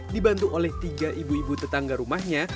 dibantu oleh tiga ibu ibu tetangga rumahnya